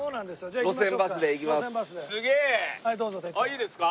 いいですか？